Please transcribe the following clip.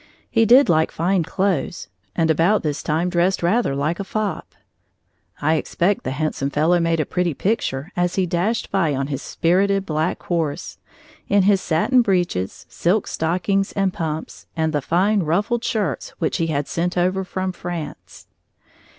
He did like fine clothes and about this time dressed rather like a fop. I expect the handsome fellow made a pretty picture as he dashed by on his spirited black horse, in his satin breeches, silk stockings and pumps, and the fine, ruffled shirts which he had sent over from France.